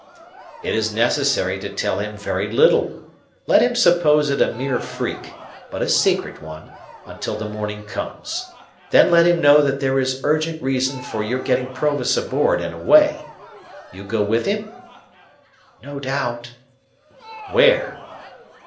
"It is necessary to tell him very little. Let him suppose it a mere freak, but a secret one, until the morning comes: then let him know that there is urgent reason for your getting Provis aboard and away. You go with him?" "No doubt." "Where?"